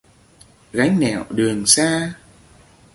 Gánh nẻo đường xa